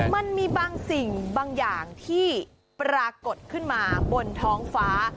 มันมีบางสิ่งบางอย่างที่ปรากฏขึ้นมาบนท้องฟ้า